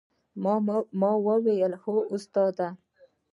ما وويل هو استاده.